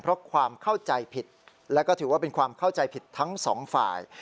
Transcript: เพราะความเข้าใจผิดและก็ถือว่าเป็นความเข้าใจผิดทั้งสองฝ่าย